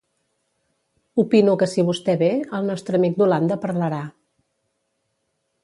Opino que si vostè ve, el nostre amic d'Holanda parlarà.